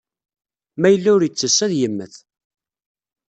Ma yella ur ittess, ad yemmet.